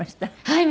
はい。